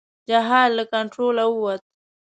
جهاد له کنټروله ووت.